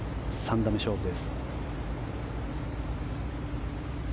３打目勝負です。